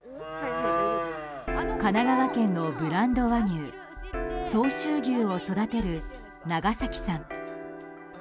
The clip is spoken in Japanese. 神奈川県のブランド和牛相州牛を育てる長崎さん。